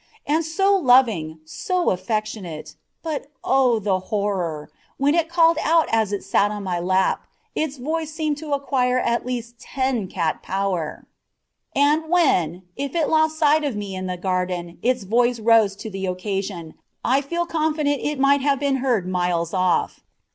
And so loving, so affectionate. But, oh! horror, when it called out as it sat on my lap, its voice seemed to acquire at least ten cat power. And when, if it lost sight of me in the garden, its voice rose to the occasion, I feel confident it might have been heard miles off.